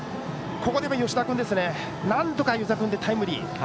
ここでの吉田君なんとか吉田君でタイムリー。